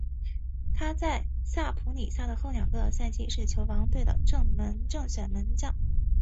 他在萨普里萨的后两个赛季是球队的正选门将。